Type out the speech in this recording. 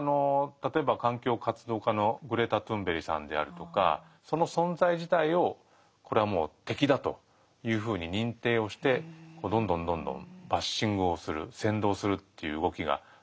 例えば環境活動家のグレタ・トゥーンベリさんであるとかその存在自体をこれはもう敵だというふうに認定をしてどんどんどんどんバッシングをする扇動するっていう動きが出てくる。